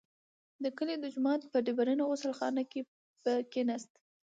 د کلي د جومات په ډبرینه غسل خانه کې به کښېناست.